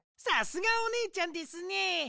さすがおねえちゃんですね。